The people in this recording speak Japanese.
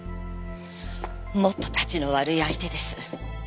もっとたちの悪い相手です。